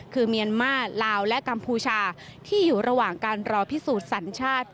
คือเมียนมาลาวและกัมพูชาที่อยู่ระหว่างการรอพิสูจน์สัญชาติ